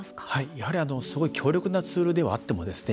やはり、すごい強力なツールではあってもですね